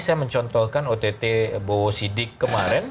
saya mencontohkan ott bowo sidik kemarin